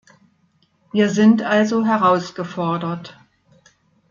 Wir sind also herausgefordert!